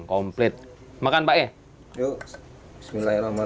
komplit makan pak ya